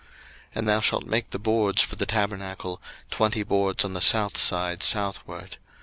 02:026:018 And thou shalt make the boards for the tabernacle, twenty boards on the south side southward.